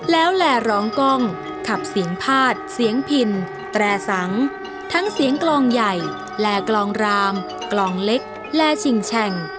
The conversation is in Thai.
แล้วแลร้องกล้องขับเสียงพาดเสียงพินแตรสังทั้งเสียงกลองใหญ่แลกลองรามกลองเล็กแลชิงแช่ง